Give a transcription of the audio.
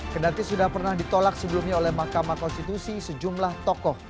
kedati sudah pernah ditolak sebelumnya oleh mahkamah konstitusi sejumlah tokoh